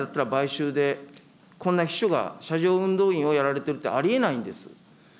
本来だったら、買収、こんな秘書が車上運動員をやられてるってありえないんです。